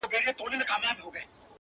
حاکم وویل ته کډه سه کاشان ته،